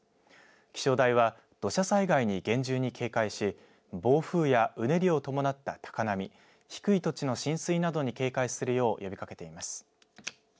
気象台は土砂災害に厳重に警戒し、暴風やうねりを伴った高波低い土地の浸水などに警戒するよう呼びかけています。